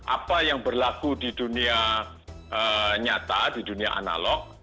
apa yang berlaku di dunia nyata di dunia analog